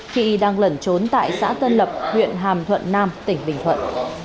khi đang lẩn trốn tại xã tân lập huyện hàm thuận nam tỉnh bình thuận